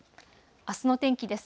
あすの天気です。